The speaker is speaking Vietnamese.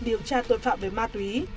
điều tra tội phạm về ma túy